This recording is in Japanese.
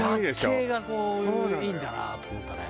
借景がいいんだなと思ったね。